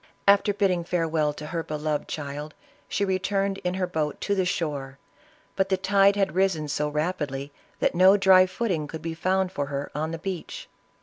After bidding farewell to her beloved •.° child, she returned in her boat to the shore, but the tide had risen so rapidly that no dry footing could be found for her on the beach.